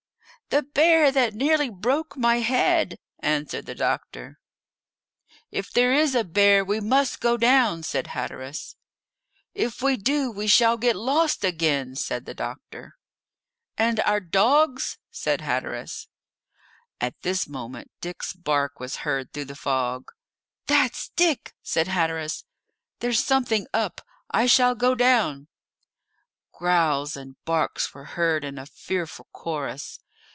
"The bear that nearly broke my head," answered the doctor. "If there is a bear we must go down," said Hatteras. "If we do we shall get lost again," said the doctor. "And our dogs?" said Hatteras. At this moment Dick's bark was heard through the fog. "That's Dick," said Hatteras; "there's something up; I shall go down." Growls and barks were heard in a fearful chorus.